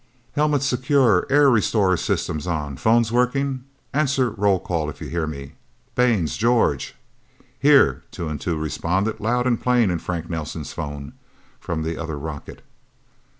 "Helmets secure? Air restorer systems on? Phones working? Answer roll call if you hear me. Baines, George?" "Here!" Two and Two responded, loud and plain in Frank Nelsen's phone, from the other rocket.